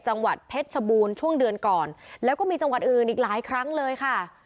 จังหวัดเพชรชบูรณ์ช่วงเดือนก่อนแล้วก็มีจังหวัดอื่นอื่นอีกหลายครั้งเลยค่ะ